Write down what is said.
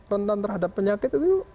rentan terhadap penyakit itu